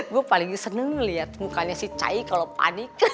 gua paling seneng liat mukanya si cai kalo panik